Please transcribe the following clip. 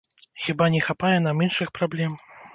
Хіба не хапае нам іншых праблем?